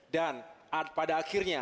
dan pada akhirnya